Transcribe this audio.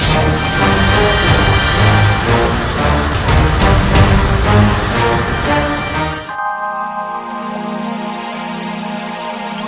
seragam ini tidak akan kubawakan suatu orang